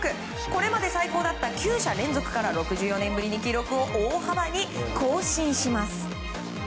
これまで最高だった９者連続から６４年ぶりに記録を大幅に更新します。